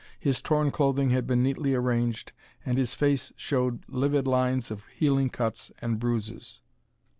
His torn clothing had been neatly arranged, and his face showed livid lines of healing cuts and bruises.